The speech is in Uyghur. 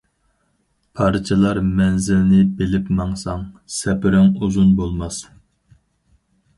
پارچىلار مەنزىلنى بىلىپ ماڭساڭ، سەپىرىڭ ئۇزۇن بولماس.